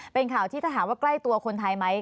เป็นข่าวที่ถ้าถามว่าใกล้ตัวคนไทยไหม